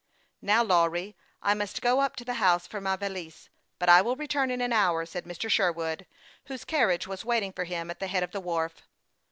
" Now, Lawry, I must go up to the house for my valise ; but I will return in an hour," said Mr. Sher wood, whose carriage was waiting for him at the head of the wharf.